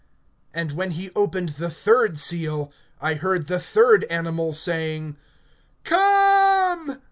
(5)And when he opened the third seal, I heard the third animal saying: Come!